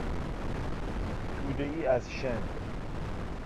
تودهای از شن